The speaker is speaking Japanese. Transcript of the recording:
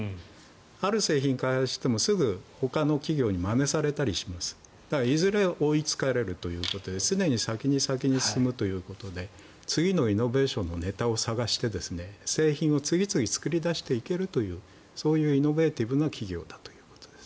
ある製品を開発してもすぐほかの企業にまねされたりしますいずれ追いつかれるということですでに先に先に進むということで次のイノベーションのネタを探して製品を次々作り出していけるというそういうイノベーティブな企業ということです。